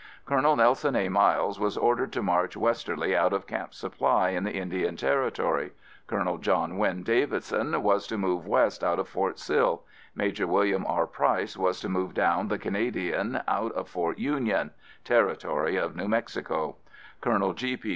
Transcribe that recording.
Colonel Nelson A. Miles was ordered to march westerly out of Camp Supply in the Indian Territory; Colonel John Wynn Davidson was to move west out of Fort Sill; Major William R. Price was to move down the Canadian out of Fort Union, Territory of New Mexico; Colonel G. P.